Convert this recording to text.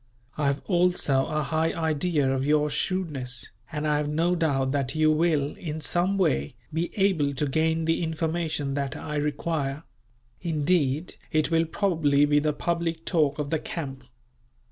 I have also a high idea of your shrewdness; and I have no doubt that you will, in some way, be able to gain the information that I require indeed, it will probably be the public talk of the camp.